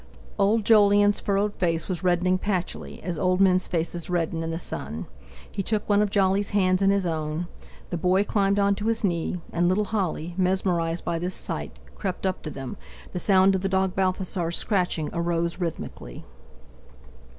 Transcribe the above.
Old Jolyon's furrowed face was reddening patchily, as old men's faces redden in the sun. He took one of Jolly's hands in his own; the boy climbed on to his knee; and little Holly, mesmerized by this sight, crept up to them; the sound of the dog Balthasar's scratching arose rhythmically.